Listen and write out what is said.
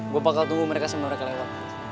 gue bakal tunggu mereka semua